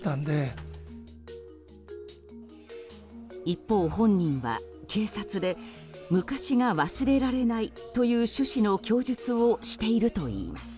一方、本人は警察で昔が忘れられないという趣旨の供述をしているといいます。